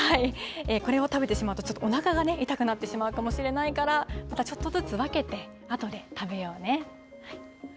これを食べてしまうと、ちょっとおなかがね、痛くなってしまうかもしれないから、またちょっとずつ分けて、あとで食べようね。